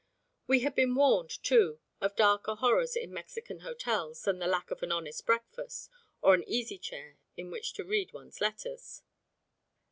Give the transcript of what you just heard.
We had been warned, too, of darker horrors in Mexican hotels than the lack of an honest breakfast or an easy chair in which to read one's letters.